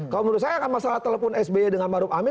kalau menurut saya kan masalah telepon sby dengan maruf amin